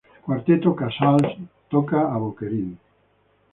Cuarteto Casals plays Boccherini.